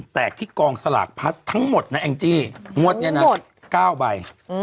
แตกที่กองสลากพลัสทั้งหมดนะแองจี้งวดนี้นะ๙ใบ